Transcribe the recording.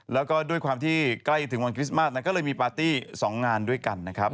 แล้วก็ด้วยความที่ใกล้ถึงวันคริสต์มาสนั้นก็เลยมีปาร์ตี้๒งานด้วยกันนะครับ